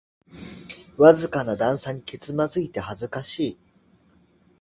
わずかな段差にけつまずいて恥ずかしい